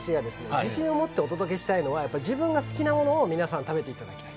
自信を持ってお届けしたいのは自分が好きなものを皆さん食べていただきたい。